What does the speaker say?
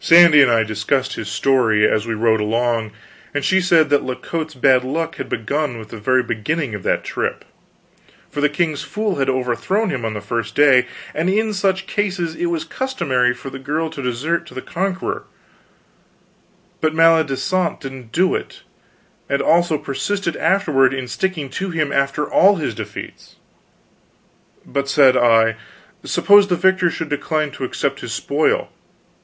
Sandy and I discussed his story, as we rode along, and she said that La Cote's bad luck had begun with the very beginning of that trip; for the king's fool had overthrown him on the first day, and in such cases it was customary for the girl to desert to the conqueror, but Maledisant didn't do it; and also persisted afterward in sticking to him, after all his defeats. But, said I, suppose the victor should decline to accept his spoil?